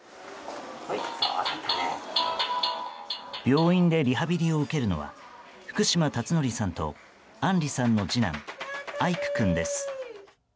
病院でリハビリを受けるのは福島達範さんとあんりさんの次男愛久くんです。